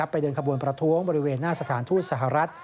เดินขบวนประท้วงบริเวณหน้าสถานทูตสหรัฐ